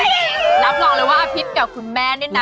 รับรองเลยว่าอภิษกับคุณแม่เนี่ยนะ